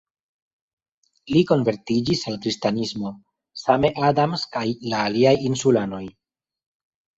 Li konvertiĝis al kristanismo, same Adams kaj la aliaj insulanoj.